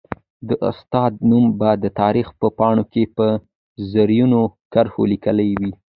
د استاد نوم به د تاریخ په پاڼو کي په زرینو کرښو ليکلی وي.